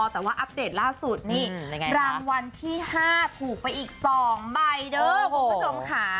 แต่ว่าอัปเดตล่าสุดนี่รางวัลที่๕ถูกไปอีก๒ใบเด้อคุณผู้ชมค่ะ